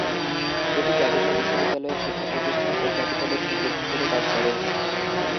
এটি ক্যাপিটাল বিশ্ববিদ্যালয়ের শিক্ষা প্রতিষ্ঠান ও ক্যাপিটালের সঙ্গীত হিসেবে কাজ করে।